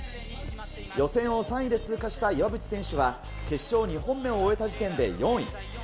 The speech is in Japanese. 予選を３位で通過した岩渕選手は、決勝２本目を終えた時点で４位。